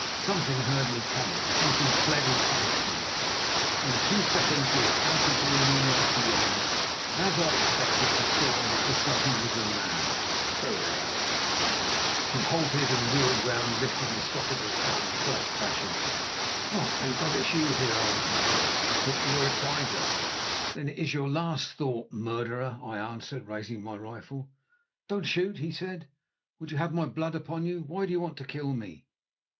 Something heard me coming, something fled in front of me. In a few seconds we were out into the moonlight beyond, and, as I expected, I saw that this something was a man—Pereira! He halted and wheeled round, lifting the stock of his gun, club fashion. "Thank God! it is you, Heer Allan," he said; "I thought you were a tiger." "Then it is your last thought, murderer," I answered, raising my rifle. "Don't shoot," he said. "Would you have my blood upon you? Why do you want to kill me?"